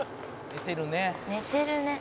「“ねてるね”」